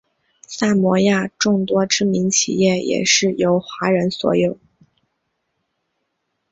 萨摩亚众多知名企业也是由华人所有。